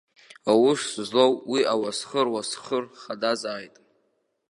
Аус злоу уи ауасхыр уасхыр хадазааит.